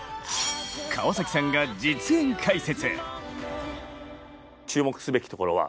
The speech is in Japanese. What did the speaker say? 川崎さんが実演解説。